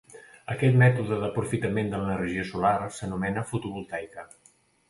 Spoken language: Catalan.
Aquest mètode d'aprofitament de l'energia solar s'anomena fotovoltaica.